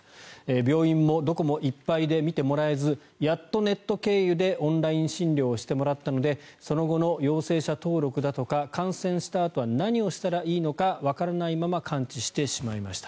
病院もどこもいっぱいで診てもらえずやっとネット経由でオンライン診療をしてもらったのでその後の陽性者登録だとか感染したあとは何をしたらいいのかわからないまま完治してしまいました。